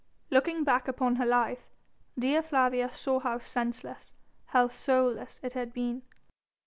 Looking back upon her life, Dea Flavia saw how senseless, how soulless it had been.